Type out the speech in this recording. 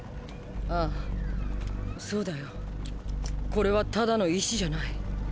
あぁそうだよ。これはただの石じゃない。